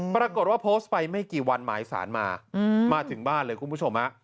ปรากฏว่าโพสต์ไปไม่กี่วันหมายสารมามาถึงบ้านเลยคุณผู้ชม